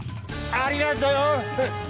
ありがとよ！